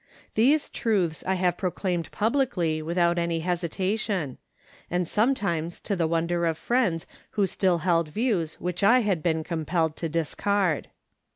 These truths I have proclaimed publicly without any hesitation, and sometimes to the wonder of friends who still held views which I had been compelled to discard.